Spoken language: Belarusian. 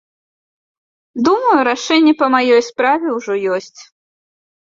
Думаю, рашэнне па маёй справе ўжо ёсць.